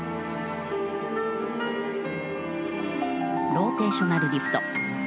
ローテーショナルリフト。